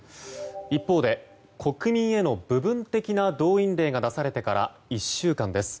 一方で国民への部分的な動員令が出されてから１週間です。